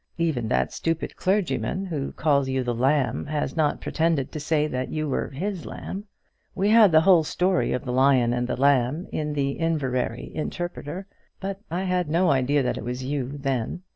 Even that stupid clergyman, who calls you the lamb, has not pretended to say that you were his lamb. We had the whole story of the Lion and the Lamb in the Inverary Interpreter, but I had no idea that it was you, then.